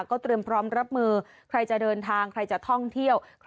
ก็เตรียมพร้อมรับมือใครจะเดินทางใครจะท่องเที่ยว